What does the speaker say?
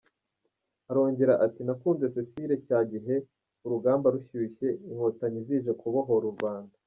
Arongera ati “Nakunze Cécile cya gihe urugamba rushyushye Inkotanyi zije kubohora u Rwanda.